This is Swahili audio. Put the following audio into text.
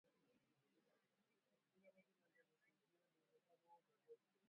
jinsi gani mkulima anaweza kutumia samadi kwa ubora wake